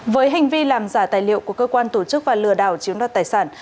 với hành vi làm giả tài liệu của cơ quan tổ chức và lừa đảo chiếm đoạt tài sản